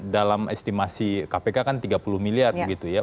dalam estimasi kpk kan tiga puluh miliar begitu ya